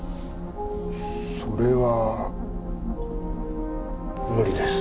それは無理です。